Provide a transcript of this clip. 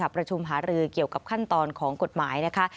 ประชุมหารือเกี่ยวกับขั้นตอนของกฎหมายนะคะ